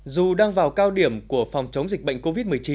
dù đang vào cao điểm của phòng chống dịch bệnh covid một mươi chín